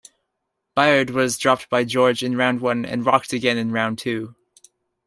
Byrd was dropped by George in round one and rocked again in round two.